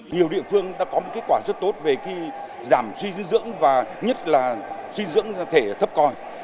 điều địa phương đã có kết quả rất tốt về giảm suy dưỡng và nhất là suy dưỡng thể thấp coi